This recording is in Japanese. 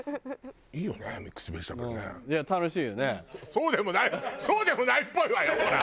そうでもないっぽいわよほら！